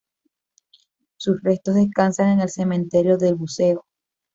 Sus restos descansan en el Cementerio del Buceo.